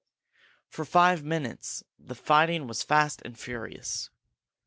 For five minutes the fighting was fast and furious.